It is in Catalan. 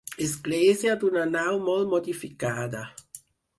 Església d'una nau molt modificada.